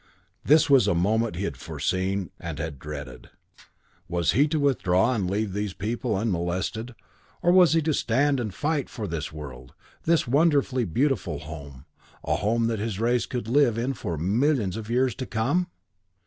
This was a moment he had foreseen and had dreaded. Was he to withdraw and leave these people unmolested, or was he to stand and fight for this world, this wonderfully beautiful home, a home that his race could live in for millions of years to come?